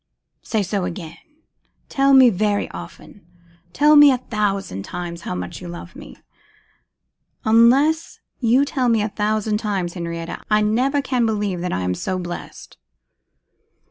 'Say so again! Tell me very often, tell me a thousand times, how much you love me. Unless you tell me a thousand times, Henrietta, I never can believe that I am so blessed.